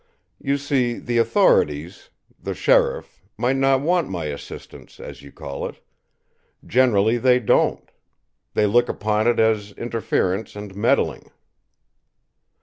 You see, the authorities, the sheriff, might not want my assistance, as you call it. Generally, they don't. They look upon it as interference and meddling."